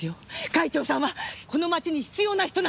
会長さんはこの町に必要な人なんです！